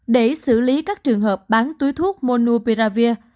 để xử lý các trường hợp bán túi thuốc monuperavir